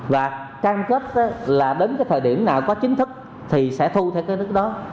và trang kết là đến cái thời điểm nào có chính thức thì sẽ thu theo cái đức đó